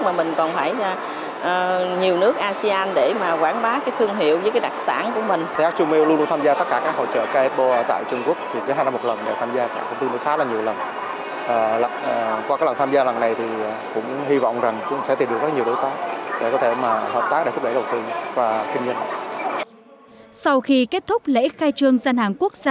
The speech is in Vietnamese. mà mình còn phải nhiều nước asean để quảng bá thương hiệu với đặc sản của mình